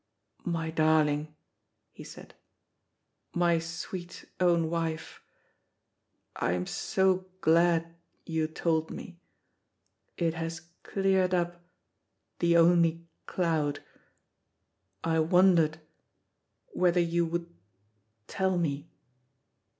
"My darling," he said, "my sweet own wife, I am so glad you told me. It has cleared up the only cloud. I wondered whether you would tell me.